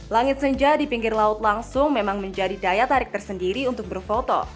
langit senja di pinggir laut langsung memang menjadi daya tarik tersendiri untuk berfoto